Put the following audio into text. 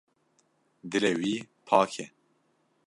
Dilê wî pak e.